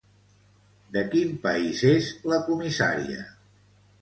De quin país és la comissària?